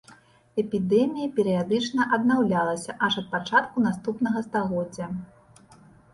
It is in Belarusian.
Эпідэмія перыядычна аднаўлялася аж да пачатку наступнага стагоддзя.